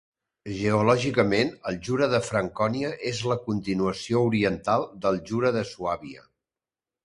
Geològicament, el Jura de Francònia és la continuació oriental del Jura de Suàbia.